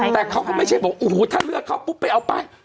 แต่เขาก็ไม่ใช่บอกโอ้โหถ้าเลือกเขาปุ๊บไปเอาป้าย